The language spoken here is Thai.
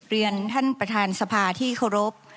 เรียนท่านประธานสภาที่เคารพ